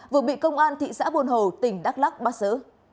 vừa bị công an thị xã buôn hồ tỉnh đắk lắc bắt giữ